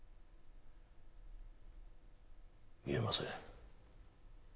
言えません。